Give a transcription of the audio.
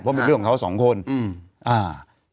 เพราะมันเรื่องของเขา๒คน